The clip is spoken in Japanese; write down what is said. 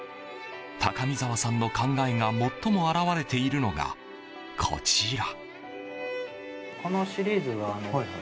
高見澤さんの考えが最も表れているのが、こちら。